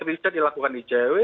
riset dilakukan icw